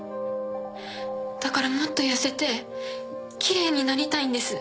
だからもっと痩せて奇麗になりたいんです。